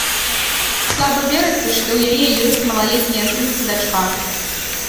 Слаба верыцца, што ў яе ёсць малалетнія сын ці дачка.